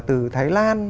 từ thái lan